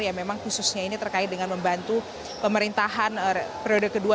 yang memang khususnya ini terkait dengan membantu pemerintahan periode kedua